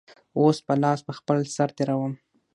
اوس به لاس په خپل سر تېروم.